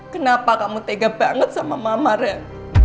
kenapa kamu tega banget sama mama ren